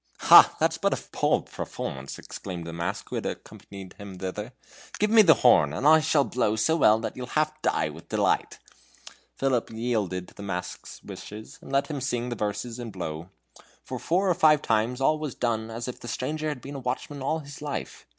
"Ha! that's but a poor performance," exclaimed the mask, who had accompanied him thither. "Give me the horn! I shall blow so well that you'll half die with delight." Philip yielded to the mask's wishes, and let him sing the verses and blow. For four or five times all was done as if the stranger had been a watchman all his life.